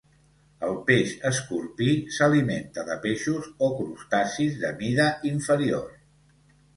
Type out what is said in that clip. El peix escorpí s'alimenta de peixos o crustacis de mida inferior.